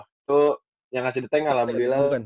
itu yang ngasih the tank alhamdulillah